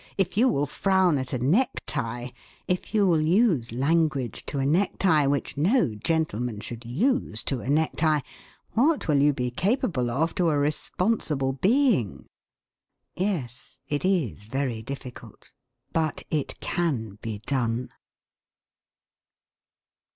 If you will frown at a necktie, if you will use language to a necktie which no gentleman should use to a necktie, what will you be capable of to a responsible being?... Yes, it is very difficult. But it can be done.